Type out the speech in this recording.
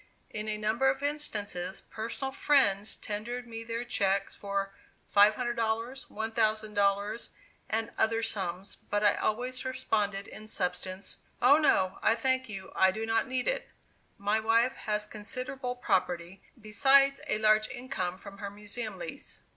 In a number of instances, personal friends tendered me their checks for $500, $1,000, and other sums, but I always responded in substance: "Oh, no, I thank you; I do not need it; my wife has considerable property, besides a large income from her Museum lease.